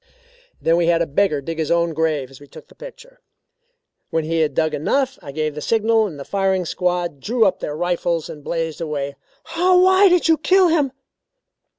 "Then we had a beggar dig his own grave as we took the picture. When he had dug enough, I gave the signal and the firing squad drew up their rifles and blazed away." "Why did you kill him?"